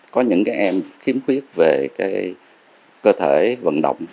có những em khiếm khuyết về cơ thể vận động